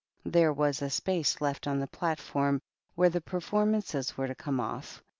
There was a space left on the platform where the performances were to come off*.